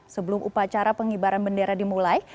sebelum upacara pengibaran bendera dimulai